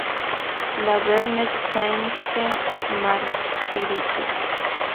Le Vernet-Sainte-Marguerite